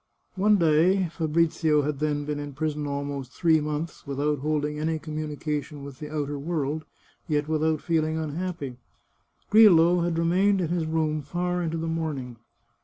One day — Fabrizio had then been in prison almost three months, without holding any communication with the outer 349 The Chartreuse of Parma world, yet without feeling unhappy — Grillo had remained in his room far into the morning.